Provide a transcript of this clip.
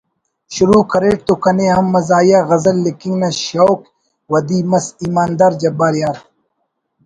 شروع کریٹ تو کنے ہم مزاحیہ غزل لکھنگ نا شوق ودی مس ایماندار جبار یار